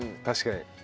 確かに。